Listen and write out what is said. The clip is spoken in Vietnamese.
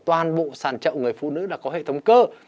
toàn bộ sàn chợ người phụ nữ là có hệ thống cơ